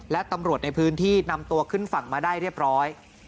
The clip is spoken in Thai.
และตำรวจในพื้นที่นำตัวขึ้นฝั่งมาได้เรียบร้อย